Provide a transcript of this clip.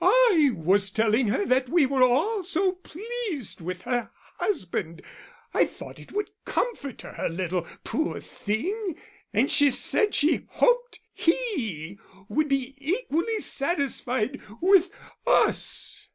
"I was telling her that we were all so pleased with her husband I thought it would comfort her a little, poor thing and she said she hoped he would be equally satisfied with us."